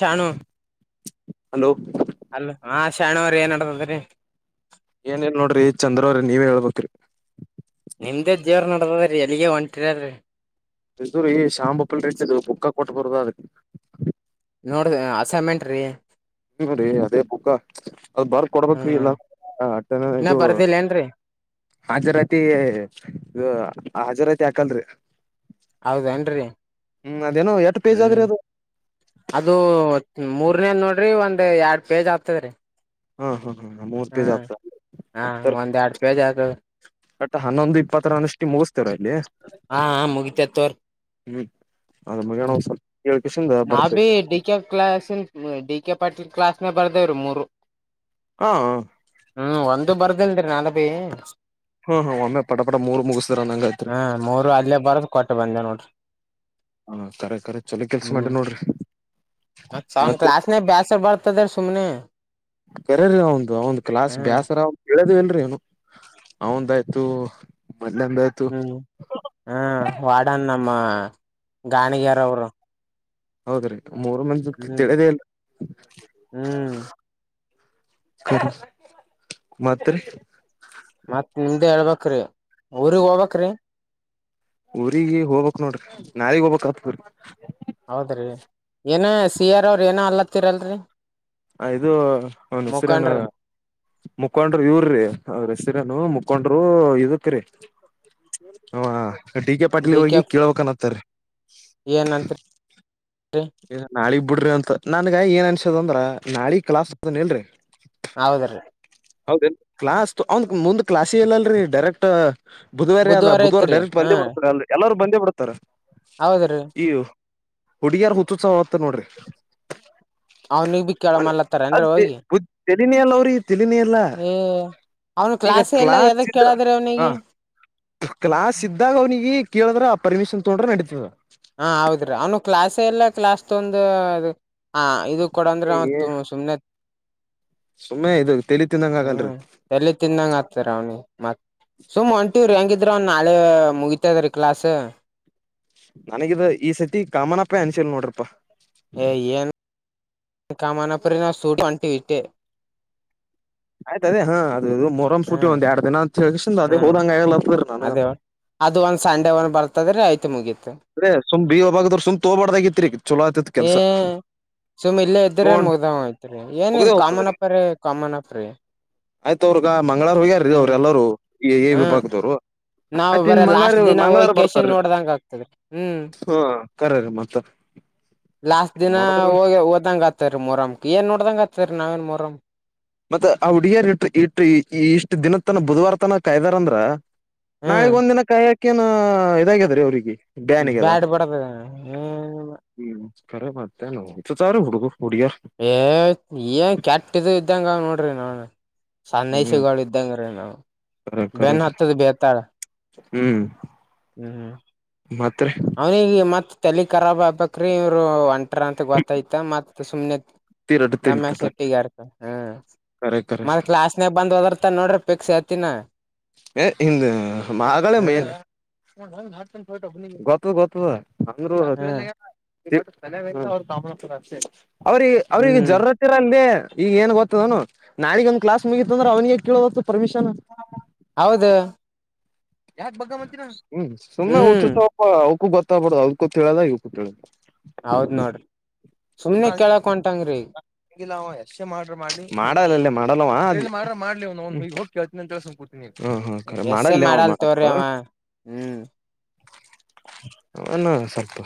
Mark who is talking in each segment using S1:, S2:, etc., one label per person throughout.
S1: ಚಾಣು
S2: hello
S1: ಅಲ್ಲ ಹಾ ಶಾಣವ್ರ ಏನ್ ಆಡ್ತದ್ರರಿ
S2: ಏನೇನ್ ನೋಡ್ರಿ ಚಂದ್ರ್ರಿ ನೀವೇ ಹೇಳ್ಬ್ರಿ
S1: ನಿಮ್ದೇ ಜೇವರ ನಡದದ್ರೀ ಎಲ್ಲಿಗೆ ಹೊಂಟರಲ್ರಿ
S2: ಇ ಶಾಂಬಪ್ಪ ರ ಪುಕ್ಕ ಟ್ಟಕರುದಾ ಅ
S1: ನೋಡ ಅಸೆಮೆಂಟ್ರೀ
S2: ಹ್ಮ ರೀ ಅದೇ [unintelligible] ಅದ್ ಬರ್ ಕೊಡ್ಬೇಕ್ರೀ ಇಲ್ಲ
S1: ಹ್ಮ್
S2: ಅನ
S1: ಇನ್ನ
S2: ಇದು
S1: ಬರ್ದಿಲ್ಲ ಏನ್ರರಿ
S2: ಹಾಜರಾತಿ ಇದು ಹಾಜರಾತಿ ಹಾಕಲ್ರಿ
S1: ಹೌದ ಏನ್ರಿ
S2: ಹ್ಮ ಅದೇನೋ ಎಷ್ಟು ಪೇಜ್ ಆದ್ರ ಅದು
S1: ಅದು ಮೂರ್ನೇದ ನೋಡ್ರಿ ಒಂದ್ ಎರಡ್ ಪೇಜ್ ಆಗ್ತದ್ರೀ
S2: ಹಾ ಹಾ ಹಾ ಮೂರ್ ಪೇಜ್ ಆತ
S1: ಹ್ಮ
S2: ಹತ್ತರ
S1: ಹ ಒಂದ್ ಎರಡು ಪೇಜಿ ಆತದ
S2: ಬಟ್ ಹನ್ನೊಂದು ಇಪ್ಪತ್ತರ ಅನಷ್ಟಿ ಮುಗಿಸ್ತೇವ್ರ ಇಲ್ಲಿ
S1: ಹಾ ಹಾ ಮುಗಿತ ತೋರಿ
S2: ಹೂ ಅದು ಮುಗಿಯನ ಸ್ವಲ್ಪ ಕೇಳು
S1: ನಾ B D K class D K Patil class ಮ ಬರ್ದವ್ರು ಮೂರು
S2: ಹಾ
S1: ಹ್ಮ್ ಒಂದು ಬರ್ದಲ್ರಿ ನಾನು ಪೇಜ್
S2: ಹಾ ಹಾ ಒಮ್ಮೆ ಪಟ ಪಟ ಮೂರ್ ಮುಗಿಸ್ತಾರ ನಂಗೈತ್ರಿ
S1: ಹಾ ಮೂರು ಅಲ್ಲೇ ಬರದು ಕೊಟ್ಟ ಬಂದೆ ನೋಡ್ರಿ
S2: ಹಾ ಕರೆ ಕರೆ ಚಲೋ ಕೆಲ್ಸ
S1: ಹ್ಮ್
S2: ಮಾಡಿ ನೋಡ್ರಿ
S1: ಮ ಸೌನ್
S2: ಮತ್ರಿ
S1: ಕ್ಲಾಸ್ನ ಬ್ಯಾಸರ್ ಬರ್ತದ್ರೀ ಸುಮ್ನೆ
S2: ಕೆರೆರಿ ನೊ ನೌನ ಕ್ಲಾಸ್
S1: ಹ್ಮ್
S2: ಬ್ಯಾಸರ ಆಗತದ ತಿಳಿಯದೆ ಇಲ್ಲರಿ ಏನು ಅವಂದಾಯ್ತು ಮದ್ಲಂದಾಯ್ತು
S1: ಹ್ಮ್ ಹ್ ವಾಡನ್ನ ಮ್ಮ ಗಾಣಿಗಾರ ಅವರು
S2: ಹೌದ್ರಿ ಮೂರು ಮಂದಿದು
S1: ಹ್ಮ್
S2: ತಿಳದೇ ಇಲ್ಲ
S1: ಹ್ಮ್
S2: ಮತ್ತರಿ
S1: ಮತ್ ನಿಮ್ದೆ ಹೇಳ್ಬಕ್ರಿ ಊರಿಗ್ ಹೋಗ್ಬಕ್ರಿ
S2: ಊರಿಗ ಹೋಗ್ಬಕ್ ನೋಡ್ರಿ ನಾಳಿಗಿ ಹೋಗಬಕ್ ಆತದ್ರಿ
S1: ಹೌದ್ರಿ ಏನ ಸಿ ಆರ್ ಅವ್ರ ಏನ ಅಲತ್ತದಿದ್ರಲ್ರಿ
S2: ಆ ಇದು ಅವನ್ ಹೆಸರನು ಮುಖಂಡರು ಇವರ್ರಿ ಅವ್ರ ಹೆಸರನು ಮು ಹಕೊಂಡರು ಇದಕ್ಕ್ರೀ ಹ ಡಿ ಕೆ ಪಾಟಿಲ್ ಅವ್ರಿಗೆ ಕೇಳ್ಬೇಕನ್ತ್ತರಿ
S1: ಏನಂತ ಹ
S2: ನಾಳಿಗ್ ಬಿಡ್ರಿ ಅಂತ ನನ್ಗ ಏನ್ ಅನ್ಸದ ಅಂದ್ರ ನಾಳಗ್ ಕ್ಲಾಸ್ ಅದ ಇಲ್ರರಿ
S1: ಹೌದ್ರೀ
S2: ಹೌದೇ ಕ್ಲಾಸ್ ಅವ ಮುಂದ್ ಕ್ಲಾಸ್ ಇಲ್ಲಲ್ರರಿ ಡೈರೆಕ್ಟ್ ಬುಧವಾರೇ ಅದ ಬುಧವಾರ ಡೈರೆಕ್ಟ್ ಬಂದೇ ಬಿತಾರೆ ಅ ಎಲ್ಲರೂ ಬಂದೇ ಬಿಡ್ತಾರ
S1: ಹೌದ ರೀ
S2: ಹುಡಿಯಾರ್ ಹು ುತ್ಸ ಆಂತ ನೋಡ್ರಿ
S1: ಅವ್ನಿಗ್ ಬಿ
S2: ಅದ
S1: ಕೇಳಮಲ್ಲತ್ತಾರನ್ರಿ ಹೋಗಿ
S2: ತಲನಿ ಅಲ್ಲ ಅವ್ರಿಗೆ ತಲನಿ ಎಲ್ಲ
S1: ಏ ಅವ್ನು
S2: ಈಗ
S1: ಕ್ಲಾಸೇ ಎಲ್ಲ
S2: ಕ್ಲಾಸ್
S1: ಎದಕ್
S2: ಇದ್ರ
S1: ಕೇಳದ್ರಿ
S2: ಹ
S1: ಅವ್ನಿಗೆ
S2: ಕ್ಲಾಸ್ ಇದ್ದಾಗ ಅವನಿಗೆ ಕೇಳಿದ್ರ ಪರ್ಮಿಷನ್ ತೊಂದ್ರೆ ನಡೀತೀವಿ
S1: ಹಾ ಹೌದ್ರಿ ಅವ್ನು ಕ್ಲಾಸ್ ಎಲ್ಲ ಕ್ಲಾಸ್ ತ ಒಂದು ಅದು ಹಾ ಇದು ಕೊಡ ಅಂದ್ರೆ ಅವತ್ ಸುಮನೆ
S2: ಸುಮ್ಮನೆ ಇದು ತಲಿ ತಿಂದಂಗ ಆಗಲ್ರಿ
S1: ಹ್ಮ್ ಎಲ್ಲಿ ತಿಂದಂಗ ಆತಾರ ಅವ್ನಿ ಮತ್ ಸುಮ್ ಒಂಟಿವ್ರು ಹೆಂಗಿದ್ರ ಅವ ನಾಳೆ ಮುಗತದರ್ ಕಲಾಸ್ು
S2: ನನಗಿದ ಈ ಸತಿ ಕಾಮನಪ್ಪ ಅಂಚೆಲ್ ನೋಡ್ರಪ್ಪಾ
S1: ಏನ್ನು ಕಾಮನ ಪರಿ ನಾವು ಸೂಡು ಅಂಟ ಹ
S2: ಆಯ್ತ ಅದೇ ಹಾ ಮುೊರಂ ಸೂಟ್ಟಿ ಒಂದು ಎರಡು ದಿನಷಿಂದ ಅದೇ
S1: ಹ್ಮ್
S2: ಹೋದಾಂಗಲ್ಲ ನನುಗೆಂತ
S1: ತದರೆ ಆಯ್ತ ಮುಗೀು
S2: ಅೇ ಸುಮ್ ಬಿೀ ಒಬಾಗದ್ರ ಸುಮ್ ತೋಬಾರ್ದಾಗತ್ರಿ ಚಲೋ ಆತಿತ್
S1: ಏ
S2: ಕೆಲ್ಸ
S1: ಸುಮ್ ಇಲ್ಲೇ ಇದ್ರೆ
S2: ತೊಂಡ
S1: ಮುಗ್ದಾವ್ ಐತ್ರಿ ಏನ್
S2: ಮುಗ್ದೇ
S1: ಇದ್ ಕಾಮನ್
S2: ಹೋಗ್ತದೀ
S1: ಅಪ್ ರೀ ಕಾಮನ್ ಅಪ್ ರೀ
S2: ಆಯ್ತ ಅವ್ರಗ ಮಂಗ್ಳಾರ ಹಗ್ಯಾರ ಅವ್ರು
S1: ಹ್ಮ್
S2: ಎಲ್ಲಾರೂ ಈ ಎ
S1: ಹ್ಮ್
S2: ವಿಭಾಗದವ್ರು
S1: ನಾವ್
S2: ಮತ್ತ
S1: ಬರ
S2: ಇನ್ ಮಂಗ್ಳಾರ
S1: ಲಾಸ್ಟ್ ದಿನ ಹೋಗಿ
S2: ಮಂಗಗಳವಾರ
S1: ಕೇಶನ್
S2: ಬರ್ತಾರೀ
S1: ನೋಡ್ದಂಗ ಆಗ್ತದೆ ಹ್ಮ್
S2: ಹ ಕರೆ ರಮ್ಮತ
S1: ಲಾಸ್ಟ್ ದಿನಾ ಹೋಗ ಓದಂಗ ಆತ್ತರಿ ಮ ಮೂರಮಕ ಏನ್ ನೋಡ್ದಂಗ ಆತ್ತರಿ ಸರ್ ನವೀನ್ ಮೊರಂ
S2: ಮತ್ತ ಆ ಹುಡುಗಿಯ ಇ ಇಟ್ಟ ಇಷ್ಟ್ ದಿನ ತನ ಬುಧವಾರ ತನ ಕಾಯ್ದಾರಂದ್ರ
S1: ಹ್ಮ್
S2: ನಾಿಗ್ ಒಂದಿನ ಕಾಯ ಹಾಕ ಅಕ್ಕನ ಇದಾಗ್ಯದ ರೀ ಅವ್ರರಿಗೆ
S1: ಬ್ಯಾಡ್ ಪಡದ ಹ್ಮ
S2: ಕರ ಬತನು ಸಾರು ಹುಡುಗು
S1: ಏ ನ್ ಕೆಟ್ಟಿದ ಇದ್ದಂಗ ನೋಡ್ರಿ ನಾನ್
S2: ಹ್ಮ್
S1: ಸಣ್ಣೈಸಗಳು ಇದ್ದಂಗ್ರೀ ನಾವವು
S2: ಕರೆ ಕರೆ
S1: ಬೆನ್ ಹೊತ್ತದ ಬೇತಾಳ
S2: ಹ್ಮ್
S1: ಹ್ಮ್ ಹ್ಮ್
S2: ಮತ್ರಿ
S1: ಅವನಿಗೆ ಮತ್ತ ತಲಿ ರಾಬ್ ಆಗ್ಬೇಕ್ರೀ ಇವರು ಒಂಟ ಟ ಅಂತ ಗೊತ್ತಾಯ್ತ ಮತ್ ಸ ಸುಮನೆ
S2: ತೀರಡ್
S1: ನಮ್ಯಾ
S2: ತಿಳ್ತಿತ
S1: ಶೆಟ್ಟಿಗ ಅರ್ತ ಹ್ಮ
S2: ಕರೆ ಕರೆ
S1: ಮತ್ತ ಕ್ಲಾಸ್ನಾಗ ಬಂದ ಹೋದ್ರ ಅ ನೋಡ್ರಿ ಪೇಕ್ಷಸಾತಿನ
S2: ಹ ಮಗಗಳ ಮೇನ್
S1: ಹ್ಮ್
S2: ಗ ಗತ್ತು ಅಂದರು
S1: ಹ್ಮ್
S2: ಬೆಲೆು ಅವ್ರ ದಾಮನಪುರ ಅಷ್ಟೇ ಅವ್ರಿಗೆ ಅವ್ರಿಗೆ
S1: ಹ್ಮ್
S2: ಜರರತಿರ ಅಲ್ದೇ ಈಗ ಏನ್ ಗೊತ್ತದನು ನಾಿಗಂದಂದು ಕ್ಲಾ ಮುಗಿತತ್ತಂದ್ರೆ ಅವನಿಗೆ ಕೇಳದತ್ತು ಪರ್ಮಿಷನ್
S1: ಹೌದು
S2: ಯಾಕ ಬಗ್ ಮಂತೀರಾ ಹ್ಮ್ ಸುಮ್ಮನೆ ಉಊತ್ತು
S1: ಹ್ಮ್
S2: ಸ್ವಲ್ಪ ಅವಕು ಗೊತ್ತ ಬಡೋ ಅವ್ರ್ೂ ಹೇಳೋದ ಇವಕ್ಕೂ ಕ ಹೇಳೋ
S1: ಹೌದ್ ನೋಡ್ರಿ ಸುಮನೆ ಕೇಳಕ್ಂಟಂಗ ್ರೇ
S2: ೇ ಮಾಡ ಮಾಡಲಿ ಮಾಡ ಮಾಡ್ಸ ಕೂತಿನ
S1: ಎಸ್ ಮಾಡಲ್ ತೋ್ರಿ ಅವವ ಹ್ಮ್
S2: ಹ ನ ಸಾತು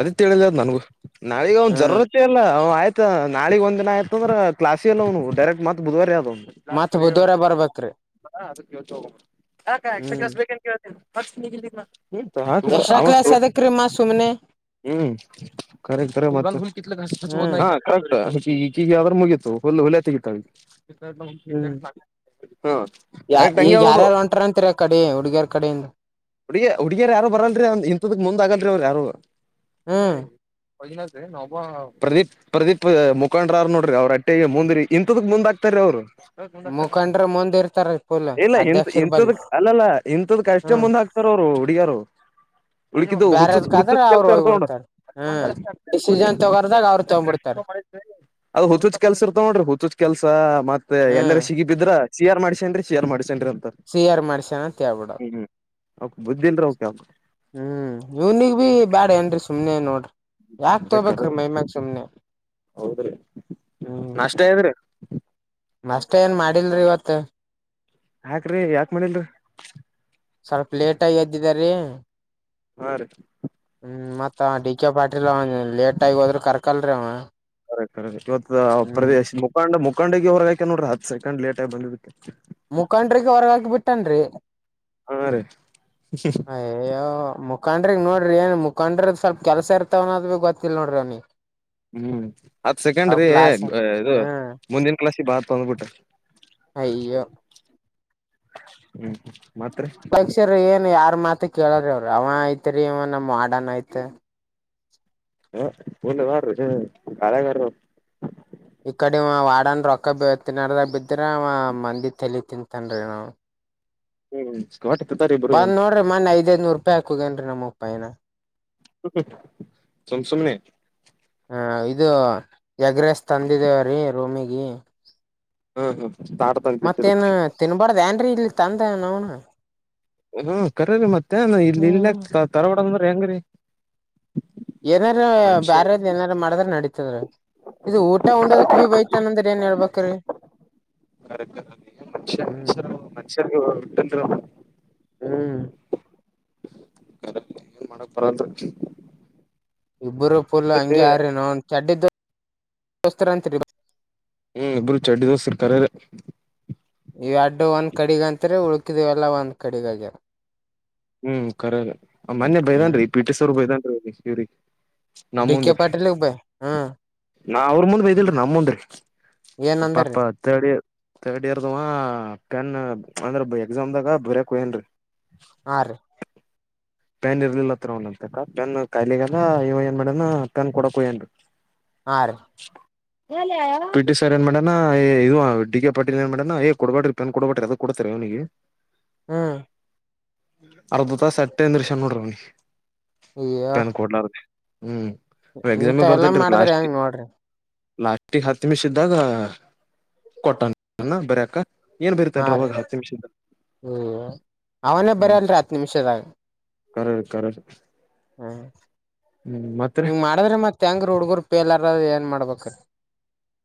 S2: ಅದಿೇಳಿದ ಅದ್ ನನಗು ನಾಳಗ ಒಂದ್
S1: ಹ್ಮ್
S2: ಜರತ್ ಎಲ್ಲ ಆಯ್ತಾ ನಾಳಗ್ ಒಂದ್ಿನ ಆಯ್ತ ಅಂದ್ರ ಕ್ಲಾಸ್ ಎಲ್ಲ ಅವ್ನು ಡೈರೆಕ್ಟ್ ಮತ್ ಬುವಾರ ಯಾವ್ನು
S1: ಮತ್ ಬುುದರ ಬರ್ಬೇಕ್ರೀ
S2: ಯತ್ತು ಹಾಕಕ್ಸ್್ರಾ ಕ್ಲಸ್ ಬೇಕ ಕೇತಿನಿ ಬರ್ಸ್ ನಿಗಲಿ ಹ
S1: ಎಕ್ಸ್ಟ್ರಾ
S2: ಹಾಗತ್ತು
S1: ಕ್ಲಾಸ್ ಅದಕ್ರೀ ಮತ್ ಸುಮ್ನೆ
S2: ಹ್ಮ್ ಕರೆ
S1: ಹ್ಮ್
S2: ಆಕರಟ್ಟು ಈ ಕೀ ಅವ್ರ ಮುಗೀತು ಹೊಲ್ಲು ಹೊಲ್ಯ ತೆಗೀತಾವಿ ಹ
S1: ಹ್ಮ್ ಯ
S2: ಡಟ್ ಹಂಗೆ
S1: ಈಗ
S2: ಹೇಳದು
S1: ಯಾರ್ಯಾರು ಹೊಂಟಾರ ಅಂತರ ಕಡೆ ಹುಡುಗಿಯರ್ ಕಡೆಯಿಂದ
S2: ಹು ಹುಡುಗಿಯರು ಯಾರು ಬರಲ್ರಿ ಇಂಥದಕ್ ಮುಂದ್ ಆಗಲ್ರಿ ಅವರು ಯಾರು
S1: ಹ್ಮ್
S2: ಹ ಹಿನ ನ ಹಾ ಪ್ರದೀಪ್ ಪ್ರದೀಪ್ ಮುಖಂಡ್ರ್ ನೋಡ್ರಿ ಅವ್ರ ಅಟ್ಟೆಗೆ ಮುಂದ್ರರಿ ಇಂಥದ ಮುಂದ್ಗಕ್ತಾರೀ ಅವ್ರು
S1: ಮುಖಂಡ್ರ ಮುಂದ್ ಇರ್ತಾರ ಫುಲ್
S2: ಇಲ್ಲ ಇ
S1: ಅಧ್ಯಕ್ಷರ
S2: ಇಂಥದ
S1: ಬಲ್ಲಿ
S2: ಅಲ್ಲಲ್ಲ ಇಂಥದ ಕಷ್ಟೇ ಮುಂದೆ ಹಾಕ್ತಾರ ಅವರು ಹುಡ್ಗರು
S1: ಬೇರೆದ್ಕಾದ್ರ ಅವರು
S2: ಇರ್ತಾವ
S1: ಹೋಗ್ಬಿಡ್ತಾರ ಹ್ಮ ಡಿಸಿಜನ್ ತಗ
S2: ಅದ ಹುಚ್ಚುಚ್ ಕೆಲ್ಸ ಇರ್ತ ನೋಡ್ರಿ ಹುಚ್ಚುಚ್ ಕೆಲ್ಸ ಮತ್ತೆ ಎಲ್ಲಾರ ಸಿಗಿ ಬಿದ್ರ ಶೇರ್ ಮಾಡಿಸಿ ಅ ಶೇರ್ ಮಾಡ
S1: ಶಿಯರ್ ಮಾಡಸ್ಯನ ತೇ ಬಿಡದು
S2: ಹ್ಮ್ ಅವಕ್ ಬುದ್ಧಿ ಇಲ್ರಿ ಅವಕ್
S1: ಹ್ಮ್ ಇವ್ನಿಗ್ ಭ ಬ್ಯಾಡ ಏನ್ರಿ ಸುಮ್ನೆ ನೋಡ್ರಿ ಯಾಕ್
S2: ಅ
S1: ತೋಬೇಕ್ರೀ ಮೈಮ್ಯಾಗ ಸುಮ್ನೆ
S2: ಹೌದ್ರಿ ನ ಅಷ್ಟೇ ಇದ್ರಿ
S1: ಅಷ್ಟೇ ಏನ್ ಮಾಡಿಲ್ರಿ ಇವತ್ತ
S2: ಯಾಕ್ರಿ ಯಾಕ್ ಮಾಡಿಲ್ರಿ
S1: ಸ್ವಲ್ಪ ಲೇಟ್ ಆಯದ ಇದ ರೀ
S2: ಹಾ ರೀ
S1: ಮತ್ತತ್ ಡಿ ಕೆ ಪಾಟೀಲ್ ಅವನ್ ಲೇಟ್ ಆಗಿ ಹೋದ್ರರು ಕರ್ಕಲ್ರೀ ಅವ
S2: ಅರೆ ಕಖರೆ ಇವತ್ತು
S1: ಹ್ಮ್
S2: ಪ್ರದೇಶ ಮುಖಾಂಡ ಮುಖಂಡ ಕಕೊಂಡೋಗಿ ಹೊರ್ಗಾಕ ನೋಡ್ರಿ ಹ ಸಕೊಂಡ್ ಲೇಟಗ ಬಿದಕ್ಕೆ
S1: ಮುಖಂಡ್ರಿಗೆ ಹೊರಗಾಕ್ ಬಿಟ್ಟನ್ರಿ
S2: ಹಾ ರೀ
S1: ಹಯ ಮು ಮುಖ್ರಿ ನೋಡ್ರಿ ಏನ್ ಮುಖಂಡ್ರದ ಸ್ವಲ್ಪ ಕೆಲಸ ಇರ್ತವನೋದ್ ಭ ಗೊತ್ತಿಲ್ಲ ನೋಡ್ರಿ ಅವನಿ
S2: ಹ್ಮ್ ಹತ್ ಸೆಕೆಂಡ್ರಿ ಇದು
S1: ಹ್ಮ್
S2: ಮುಂದಿನ ಕ್ಲಾಸಿಗೆ ಬಾತ್ ತಂದ್ಬಿಟ್ರ
S1: ಅಯ್ಯೋ
S2: ಹ್ಮ್ ಹ್ಮ
S1: ಪಕ್ಷರ ಏನ್ ಯಾರ್ ಮಾತ ಕೇಳ್ರಿ ಅವರಿ ಅವ ಐತ್ರಿ ಇ ನ ಮಾಡನ್ ಐತ್
S2: ಹ ಲ್ಲ ಬಾರ ಕಳಗಾರ
S1: ಇಕಡೆ ವಾಡನ್ ರೊಕ್ಕ ತಿನ್ನಡದಾಗ ಬಿದ್ರೆ ಮಂದಿ ತಲಿ ತಿಂತನ್ ರೀ ನಾ
S2: ಹ್ಮ್ ಸ್ಕಾಟ್ ಹತ್ತತಾರ ಇಬ್ರು ಏನ್
S1: ಬಂದ್ ನೋಡ್ರಿ ಮೊನ್ನೆ ಐದೈಐದನೂರು ಪ್ಪ ಹಾಕಗನ್ ನಮ್ಮಪ್ಪಾಯನ
S2: ತುಮ ಸುಮನೆ
S1: ಹ ಇದು ಎಗ್ರೆಸ್ ತಂದಿದೇವೀ ರೂಮಗ
S2: ಹ್ಮ ಹ್ಮ
S1: ಮತ್ತೇನ್ ತಿನ್ಬಾರ್ದ ಏನ್ ರಿ ಇಲ್ಲಿ ತಂದೆ ನೋಣ
S2: ಹ್ಮ ಕರ್ರರಿ ಮತ್ತೆ ಇಲ್ಲಿ ಇಲ್ಲ
S1: ಹ್ಮ್
S2: ತರವಾಡಂಗಂದ್ರ ಹೆಂಗ್ರೀ
S1: ಏನಾರ
S2: ಮನುಷ್ಯ
S1: ಬ್ಯಾರ ಏನಾರ ಮಾಡದ್ರ ನಡತ ಹಿದ್ರೆ ಇದು ಊಟ ಉಂಡೋದಕ್ ಭೀ ಬೈತಾನಂದ್ರ ಏನ್ ಹೇಳ್ಬೇಕ್ರಿ
S2: ಮನುಷ್ಯ
S1: ಹ್ಮ್
S2: ಮನುಷ್ಯರ ಮನುಷ್ಯರಿಗೆ ಬಿಟ್ಟಲ್ರಿ
S1: ಹ್ಮ್
S2: ಏನ್ ಮಾಡಕ್ ಪರಲ್
S1: ಇಬ್ಬರು ಪುಲ್ ಹಂಗಗೆ ಯಾರೀ ನ ಚಡ್ಡಿದ್ದ ವಸ್ತ್ರರಾಂತರಿ
S2: ಹ್ಮ್ ಇಬ್ರು ಚಡ್ಿದೋಸ್ ಇರ್ತಾರೆ
S1: ಇ ಎಡು ಒಂದ್ ಕಡಿಗ ಅಂತರಿ ಉಳ್ಕಿದೇವಲ್ಲ ಒಂದ್ ಕಡಿಗಗ್ಯ
S2: ಹ್ಮ್ಖರ ಮೊೆ
S1: ಹ್ಮ್
S2: ಬೈದನ್ೀ ಪಿಟಿಸ್ ಅವರು ಬೈದನ್ರಿ ಸ ಸರಿ
S1: ಡಿಿಕ ಪ್ಟಿ ಇಿಬೇಕ ಹ್ಮ
S2: ನಾ ಅವ್ರ ಮುಂದ್ ಬಯದಿಲ್ರಿ ನಮ್ ಮುಂದ್ರರಿ
S1: ಏನ್ ಅಂದಾರ್ರೀ
S2: ಪಾಪ ತಳಿ ರ್ಡ್ ಇಯರ್ದುವ ನ್ ಅಂದ್ರ ಎಕ್ಸಾಮ ದಾಗ ಬರ್ಯಕ್ ಹಯನ್ೀ [inaudible]
S1: ಹ
S2: ಪ್ಯಾನ್ ಇರ್ಲಿಲ್ಲತ್ರ ಒ ಅಂತ ಪ್ಯಾನ್ ಕಾಯಿಲಿಗ ಇವ ಏನ್ ಮಾಡ್ಯನ ಪ್ಯಾನ್ ಕೊಡಕ್ ಹಯ್ಯನ್
S1: ಆ
S2: ಪಿಟ್ರ್ ಏನ್ ಮಾಡಡಣ ಇದು ಡಿ ಕೆ ಪಾಟೀಲ್ ಏನ್ ಮಾಡೇಡಣನಾ ಏ ಕೊಡ್ಬೇಡ್ರಿ ಪೆನ್ ಕೊಡ್ಬೇಡ್ರಿ ಅದ ಕೊಡ್ತಾರೆ ಅವ್ನಿಗೆ
S1: ಹ್ಮ್
S2: ಅರ್ಧತ ಸ ಂದ್ರಶ ನೋಡ್ರವನಿ ಪನ್ ಕೊಡ್ಲಾರ
S1: ಇಂತ ಎಲ್ಲಾ ಮಾಡಿದ್ರ
S2: ಲಾಸ್ಟ್
S1: ಹೆಂಗ ನೋಡ್ರಿ
S2: ಲಾಸ್ಟಿಗೆ ಹತ್ತು ನಿಮಿಷ ಇದ್ದಾಗ ಕೊಟ್ಟಾನ ಬರಕ
S1: ಹಾ ರೀ ಹ್ಮ್ ಅವನೇ ಬರಲ್ರಿ ಹತ್ ನಿಮಿಷದಾಗ
S2: ಕರ್ ಕರ್
S1: ಹ್ಮ
S2: ಮತ್ರಿ
S1: ಹ ಮಾಡದ್ರೆ ಮತ್ ಹೆಂಗ್ರ ಹುಡ್ಗರು ಪೇಲ್ಾರ ಏನ್ ಮಾಡ್ಬೇಕು ಹ್ಮ್ಮ್.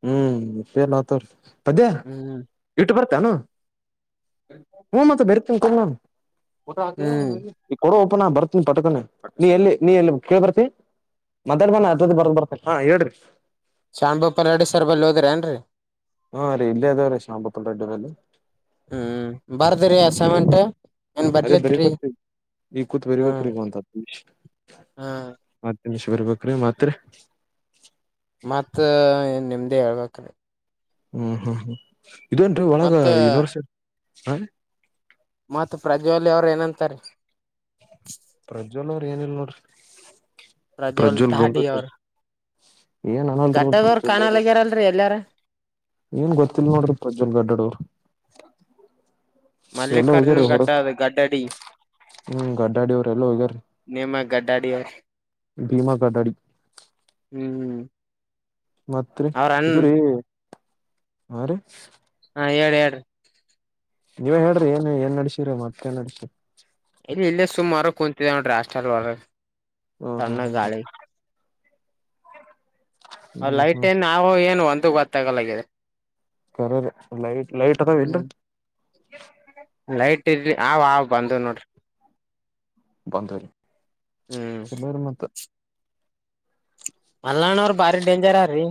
S2: ಹ್ಮ್ ಸೇರ್ ಆತವ್ರ ಪದ್ಯ
S1: ಹ್ಮ್
S2: ಇಟ್ಟು ಬರ್ತಾನ ಹ ಮತ್ತ ಬರ್ತ ಕ ನು ಟಾ
S1: ಹ್ಮ್
S2: ಕೊಡೋ ಪ್ಪ ನಾ ಬರ್ತೀನಿ ಪಟ್ಕೊಂಡೆ ನೀ ಎಲ್ಲಿ ನೀ ಎಲ್ಲಿ ಕೇಳಳ್ ಬರ್ತಿ ಮದ್ಯಾ್ ಮನೆ ಅರ್ದ ಬರ್ದ ಬರ್ತಿ ಹಾ ಹೇಳ್ರಿ
S1: ಶಾಂಬೂ ಪಲ್ಲಾಡಿ ಸರ್ಬಲ್ಲಿ ಹೋದ್ರಿ ಏನ್ರರಿ
S2: ಹಾ ರೀ ಇಲ್ಲಿ ಅಾವ ರೀ ಶಂಬತ್ತುಲ್ ರಡ್ಡಿಲ್ಲಿ
S1: ಹ್ಮ್ ಬರ್ದ್ರಿ ಅಸೈನ್ಮೆಂಟ್ ಏನ್
S2: ಅದೇ
S1: ಬರ್ಲತ್ರಿ
S2: ಬರಿಬೇಕ ಈ ಕೂತ್
S1: ಹ್ಮ್
S2: ಬರಿಬೇಕ್ರೀಗ ಅಂತ
S1: ಹ್ಮ್
S2: ನಿಮಷ್ ಬರ್ಬೇಕ್ರೀ ಮಾತ್
S1: ಮತ್ತ ನಿಮ್ದ ದೇ ಹಳ್ವಕ್ಣ
S2: ಹ್ಮ್ ಹ್ಮ್ ಹ್ಮ ಇಂರಿ ಒಳಗ
S1: ಮತ್
S2: ಇನೂರು ಸರ್ ಹ
S1: ಮತ್ತ ಪ್ರಜ್ವಲಿ ಅವ್ರ ಏನಂತಾರೆ
S2: ಪ್ರಜ್ವಲ್ ಅವ್ರ ಏನಿಲ್ಲ ನೋಡ್ರಿ ಪ್ರಜ್ವಲ್ ಗುಟು ಚ ಹ್ಮ್ಮ್.
S1: ಗದಡದವ್ರ ಕಾಣಲ್ಲಗ್ಯಾರಲ್ರಿ ಎಲ್ಲಾರ
S2: ಏನ್ ಗೊತ್ತಿಿಲ್ಲ ನೋಡ್ರಿ ಪ್ರಜ್ವಲ್ ಗಡ್ಡಡ ಅವರು
S1: ಮಲ್ಲಿಕಾರ್ಜುನ್ ಗಡ್ಡ ಗಡ್ಡಡಿ
S2: ಹ್ಮ್ ಗಡ್ಡಾಡಿ ಅವ್ರ ಎಲ್ಲ ಹೋಗ್ಯಾರೀ
S1: ನಮ ಗಡ್ಡ ಅಡಿ ಅವರು
S2: ಭೀಮಾ ಕಟ್ಟಾಡಿ
S1: ಹ್ಮ್ ಹ್ಮ್
S2: ಮತ್ರಿ ಇದರಿೀ ಹ
S1: ಹ ಎಏಡು ಎಡು
S2: ನೀವೇ ಹೇಳ್ರಿ ಏನ್ ಏನ್ ನಡಸಿರಿ ಮತ್ತೇ ನಡಸಿರರಿ
S1: ಇಲ್ಲಿ ಇಲ್ಲ ಸುಮಾರ ಕುನ್ಂತ್ರಸ್ಟಲ್
S2: ಹ್ಮ ಹ್ಮ್ ಹ್ಮ ಹ್ಮ ಹ್ಮ್
S1: ಲೈಟ್
S2: ಹ್ಮ್
S1: ಏನ್ ಆಗೋ ಏನು ಅಂತ ಗಲಿದೆ
S2: ಕರರಿ ಲೈಟ್ ಲೈಟ್ ಅದಾವ
S1: ಹ್ಮ್
S2: ಇಲ್ರರಿ
S1: ಲೈಟ್ ಇರ ಅವ್ ಬಂದು ನೋಡ್ರಿ
S2: ಬಂಧ ರ
S1: ಹ್ಮ್
S2: ಚಲರು ಮತ್ತ
S1: ಮಲ್ಣ ಅವ್ರ ಬಾರಿ ಡೇಂಜರ್ರ್ರೀ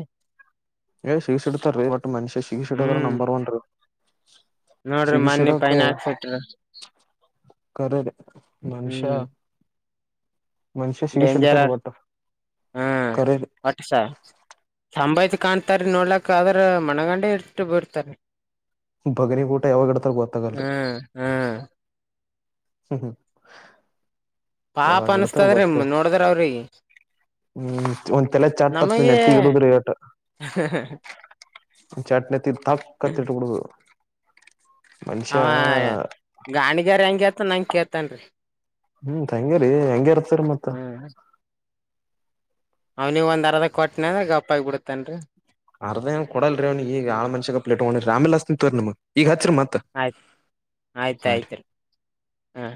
S2: ಏ್ ಶೀಸ್ ಎಡ್ತಾರ ರೀ ಮನುಷ್ಯ ಶಗಕ್ಷಿಡದ್ರ
S1: ಹ್ಮ್
S2: ನಂಬರ್ ಒನ್ ರೀ
S1: ನೋಡ್ರಿ ಮನ್ಯ
S2: ಸಿಗಸಿಡಕ
S1: ಪನ್ ಹಾಕ್ಸಟ
S2: ಕರೇರಿ ಮನುಷ್ಯ
S1: ಹ್ಮ್
S2: ಮನುಷ್ಯ ಸಿಗಸಿಡ್ತಾರಿ
S1: ಡೇಜರ್ಸ್
S2: ಒಟ್ಟ
S1: ಹಾ
S2: ಕರೇರಿ
S1: ಅಠಸ ಸಂಭತ್ ಕಾಣ್ತಾರೀ ನೋಡ್ಲಕ್ ಆದ್ರ ಮಣಗಂಡಿ ಇಟ್ಟು ಬಿರ್ತಾರೀ
S2: ಭಗನಿ ಊಟ ಯಾವಾಗ ಗಡತರ್ ಗೊತ್ತಾಗಲ್ರಿ
S1: ಹ್ಮ್ ಹ್ಮ್
S2: ಹ್ಮ
S1: ಪಾಪ
S2: ಯಾವಾಗ ಇಡ್ತಾರ
S1: ಅನ್ಸ್ತದ್ರಿ
S2: ಬತ್ತೇವ
S1: ನೋಡದ್ರ ಅವ್ರಿಗೆ
S2: ಹ್ಮ್ ಒಂದ್ ತಲೆ ಚಾಟ್ ಹತ್
S1: ನಮಗೆ
S2: ನೆತ್ತಿ ಇಡುದ್ರ ಟ್ ಒ ಚಾಟ್ ನೆತ್ತಿ ತಕ್ಕತ್ತ ಇಟ್ಬಿಡುದ
S1: ಹಾ ಗಾಣಗೆ ರಗೆ ಮ ನಂಗ ಕೇಳ್ತನ್ರಿ
S2: ಹ್ಮ್ ತಂಗರಿ ಹೆಂಗ ಇರ್ತರಿ ಮತ್ತ
S1: ಅವ್ನವ ಒಂದ್ ಅರದ ಕೊಟ್ಟನ ಗಪ್ಪ ಆಗ್ಬ ಬಿಡತೇನ್ರಿ
S2: ಅರ್ಧ ಏನ್ ಕೊಡಲ್ರಿ ಅವ್ನಿಗೆ ಈಗ ಈಗತ್ತ
S1: ಆಯ್ತ್ ಆಯ್ತ
S2: ರೀ
S1: ಆಯ್ತ ಹ